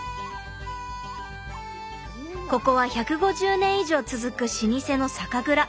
ここは１５０年以上続く老舗の酒蔵。